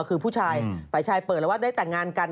คือผู้ชายฝ่ายชายเปิดแล้วว่าได้แต่งงานกัน